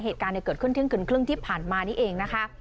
เหตุการณ์เกิดขึ้นเที่ยงคืนครึ่งที่ผ่านมานี่เองนะคะ